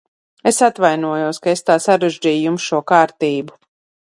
Es atvainojos, ka es tā sarežģīju jums šo kārtību.